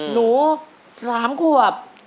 หนู๓ขวบ